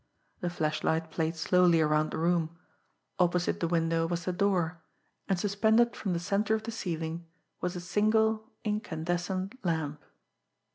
The flashlight played slowly around the room. Opposite the window was the door, and suspended from the centre of the ceiling was a single incandescent lamp.